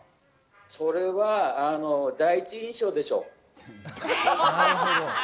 それは第一印象でしょう。